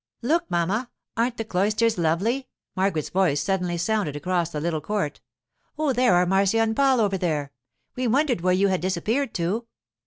'Look, mamma! aren't the cloisters lovely?' Margaret's voice suddenly sounded across the little court. 'Oh, there are Marcia and Paul over there! We wondered where you had disappeared to.